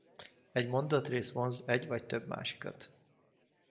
Egy mondatrész vonz egy vagy több másikat.